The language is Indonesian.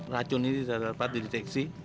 racun ini sudah dapat dideteksi